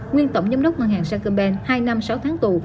nguyên tổng giám đốc ngân hàng sơn cơm bên hai năm sáu tháng tù